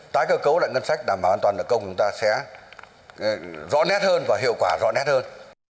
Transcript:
các cơ cấu lại ngân sách là mà an toàn là công chúng ta sẽ rõ nét hơn và hiệu quả rõ nét hơn